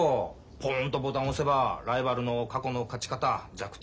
ポンとボタン押せばライバルの過去の勝ち方弱点